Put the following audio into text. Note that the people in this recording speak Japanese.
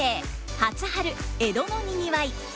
「初春江戸のにぎわい」。